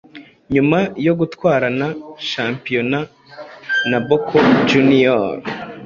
nyuma yo gutwarana Shampiyona na Boca Juniors